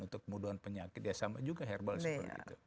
untuk kemudahan penyakit ya sama juga herbal seperti itu